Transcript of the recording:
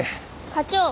課長。